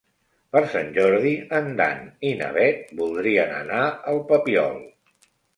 Per Sant Jordi en Dan i na Bet voldrien anar al Papiol.